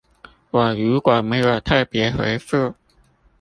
我如果沒有特別回覆